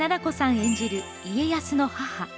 演じる家康の母。